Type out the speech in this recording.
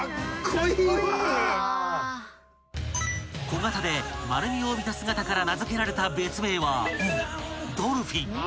［小型で丸みを帯びた姿から名付けられた別名は］